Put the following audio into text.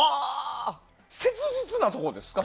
切実なところですか？